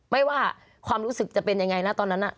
ไม่ว่าความรู้สึกจะเป็นยังไงนะตอนนั้น